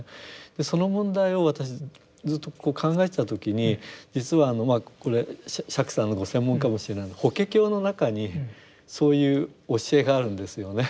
その問題を私ずっとこう考えてた時に実はあのこれ釈さんのご専門かもしれない「法華経」の中にそういう教えがあるんですよね。